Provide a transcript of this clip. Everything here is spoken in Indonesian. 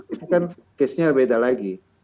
itu kan case nya beda lagi